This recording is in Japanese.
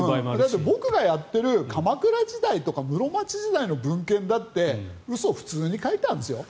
だって僕がやっている鎌倉時代とか室町時代の文献だって嘘、普通に書いてあるんですよ。